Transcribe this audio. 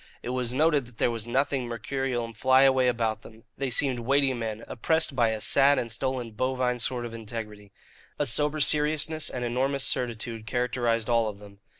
It was noted that there was nothing mercurial and flyaway about them. They seemed weighty men, oppressed by a sad and stolid bovine sort of integrity. A sober seriousness and enormous certitude characterized all of them.